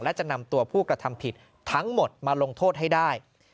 และจะนำตัวผู้กระทำผิดทั้งหมดมาลงโทษให้ได้